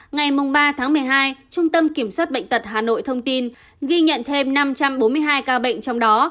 ngày ba tháng một mươi hai trung tâm kiểm soát bệnh tật hà nội thông tin ghi nhận thêm năm trăm bốn mươi hai ca bệnh trong đó